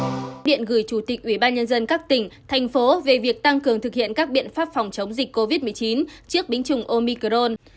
công điện gửi chủ tịch ubnd các tỉnh thành phố về việc tăng cường thực hiện các biện pháp phòng chống dịch covid một mươi chín trước bính chủng omicron